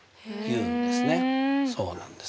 そうなんです。